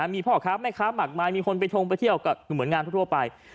มีพ่อค้าแม่ค้ามากมายมีคนไปทงไปเที่ยวก็คือเหมือนงานทั่วไป